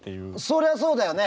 そりゃそうだよね！